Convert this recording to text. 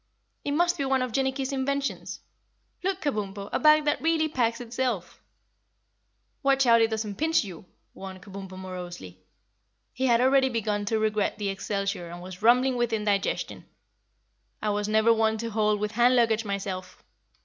"It must be one of Jinnicky's inventions. Look, Kabumpo, a bag that really packs itself." "Watch out it doesn't pinch you!" warned Kabumpo morosely. He had already begun to regret the excelsior and was rumbling with indigestion. "I was never one to hold with hand luggage, myself."